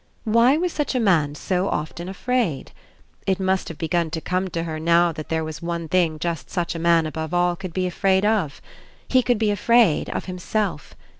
Why was such a man so often afraid? It must have begun to come to her now that there was one thing just such a man above all could be afraid of. He could be afraid of himself.